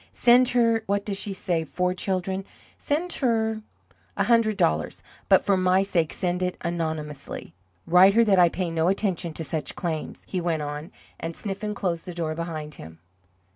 Send her what does she say four children? send her a hundred dollars. But, for my sake, send it anonymously. Write her that I pay no attention to such claims." He went out, and Sniffen closed the door behind him.